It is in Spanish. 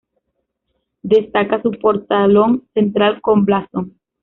Destaca su portalón central con blasón.